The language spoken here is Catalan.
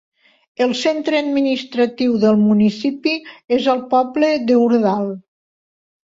El centre administratiu del municipi és el poble d'Hurdal.